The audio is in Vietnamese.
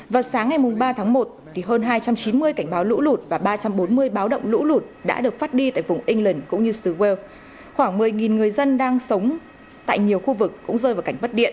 vào sáng ngày ba tháng một hơn hai trăm chín mươi cảnh báo lũ lột và ba trăm bốn mươi báo động lũ lột đã được phát đi tại vùng england